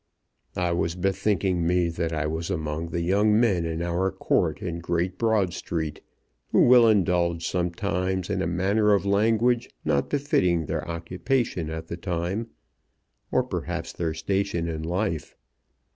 "I was bethinking me that I was among the young men in our court in Great Broad Street, who will indulge sometimes in a manner of language not befitting their occupation at the time, or perhaps their station in life.